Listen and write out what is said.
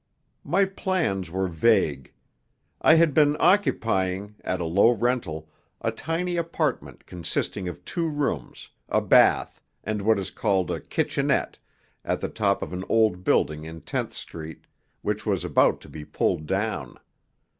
My plans were vague. I had been occupying, at a low rental, a tiny apartment consisting of two rooms, a bath, and what is called a "kitchenette" at the top of an old building in Tenth Street which was about to be pulled down.